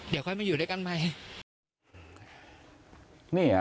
เดี๋ยวค่อยมาอยู่ด้วยกันใหม่